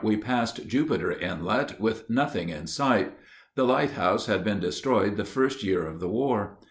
] On Sunday, June 4, we passed Jupiter Inlet, with nothing in sight. The lighthouse had been destroyed the first year of the war.